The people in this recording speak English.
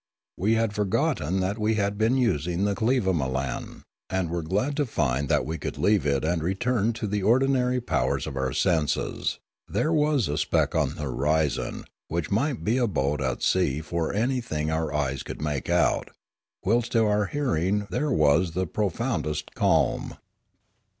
We had forgotten that we had been using the clevamolan, and were glad to find that we could leave it and return to the ordinary powers of our senses; there was a speck on the horizon, which might be a boat at sea for anything our eyes could make out; whilst to our hearing there was the pro foundest calm.